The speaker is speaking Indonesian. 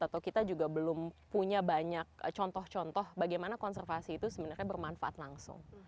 atau kita juga belum punya banyak contoh contoh bagaimana konservasi itu sebenarnya bermanfaat langsung